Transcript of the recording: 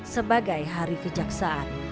sebagai hari kejaksaan